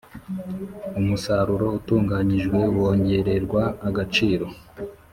Umusaruro utunganyijwe wongererwa agaciro.